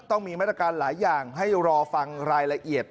ต้องมีมาตรการหลายอย่างให้รอฟังรายละเอียด